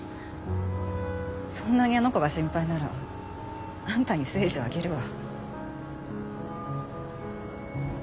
そんなにあの子が心配ならあんたに征二をあげるわ。